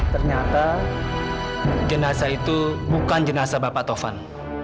ternyata jenazah itu bukan jenazah bapak tovan